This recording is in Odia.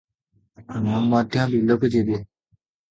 ମୁଁ ମଧ୍ୟ ବିଲକୁ ଯିବି ।